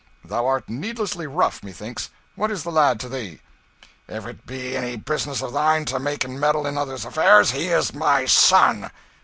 Thou art needlessly rough, methinks. What is the lad to thee?" "If it be any business of thine to make and meddle in others' affairs, he is my son."